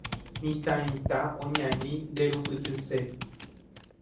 Mitãita oñani nderupytyse